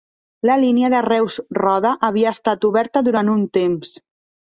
La línia Reus-Roda havia estat oberta durant un temps.